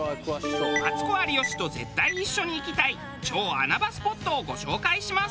マツコ有吉と絶対一緒に行きたい超穴場スポットをご紹介します。